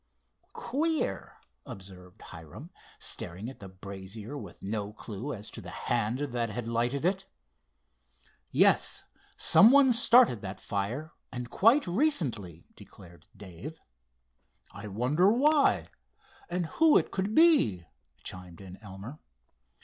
"Queer," observed Hiram, staring at the brazier with no clue as to the hand that had lighted it. "Yes, some one started that fire, and quite recently," declared Dave. "I wonder why? And who it could be?" chimed in Elmer.